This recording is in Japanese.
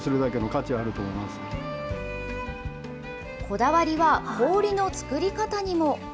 こだわりは氷の作り方にも。